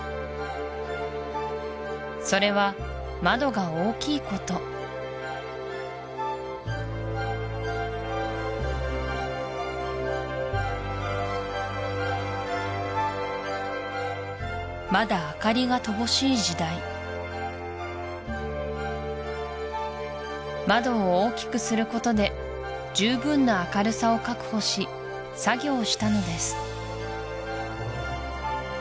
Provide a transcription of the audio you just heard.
それは窓が大きいことまだ明かりが乏しい時代窓を大きくすることで十分な明るさを確保し作業したのです